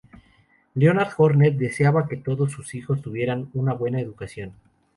Leonard Horner deseaba que todos sus hijos tuvieran una buena educación.